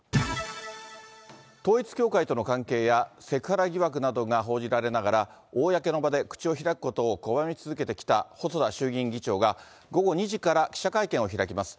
統一教会との関係や、セクハラ疑惑などが報じられながら、公の場で口を開くことを拒み続けてきた細田衆議院議長が、午後２時から記者会見を開きます。